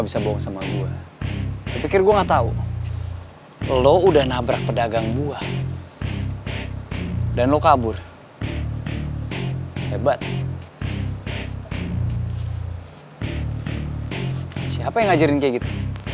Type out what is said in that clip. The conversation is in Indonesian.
siapa yang ngajarin kayak gitu